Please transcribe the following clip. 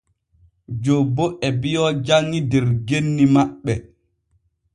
Jobbo e biyo janŋi der genni maɓɓe.